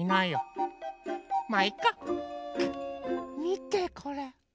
みてこれ。